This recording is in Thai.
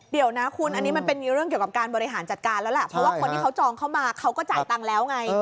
เดี๋ยวนะคุณอันนี้มันเป็นมีเรื่องเกี่ยวกับการบริหารจัดการแล้วแหละเพราะว่าคนที่เขาจองเข้ามาเขาก็จ่ายตังค์แล้วไง